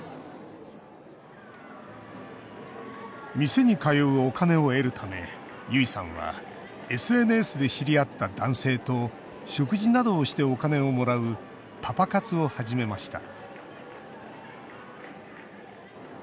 店に通うお金を得るためゆいさんはＳＮＳで知り合った男性と食事などをしてお金をもらうパパ活を始めました